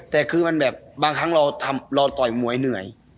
แต่คือมันแบบบางครั้งเราต่อยมวยเหนื่อย